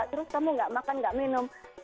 terus kamu gak makan gak minum